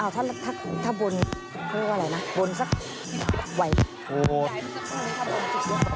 ถ้าบนอะไรนะบนสักวัน